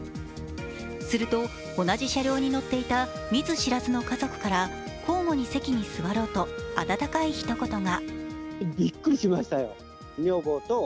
すると、同じ車両に乗っていた見ず知らずの家族から交互に席に座ろうと、温かいひと言が。